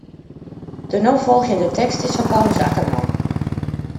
De no folgjende tekst is fan Paulus Akkerman.